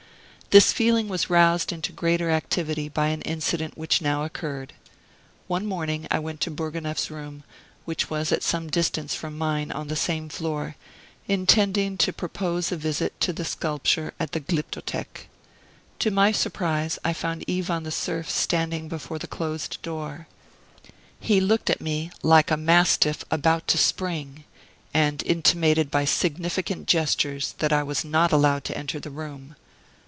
This feeling was roused into greater activity by an incident which now occurred. One morning I went to Bourgonef's room, which was at some distance from mine on the same floor, intending to propose a visit to the sculpture at the Glyptothek. To my surprise I found Ivan the serf standing before the closed door. He looked at me like a mastiff about to spring; and intimated by significant gestures that I was not allowed to enter the room.